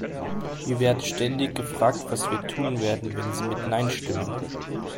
Wir werden ständig gefragt, was wir tun werden, wenn sie mit "Nein" stimmen.